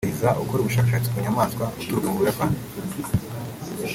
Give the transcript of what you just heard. Shima Taiza ukora ubushashatsi ku nyamaswa uturuka mu Buyapani